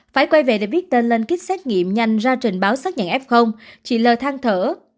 phải quay về để viết tên lên kích xét nghiệm nhanh ra trình báo xác nhận f chỉ lờ thang thở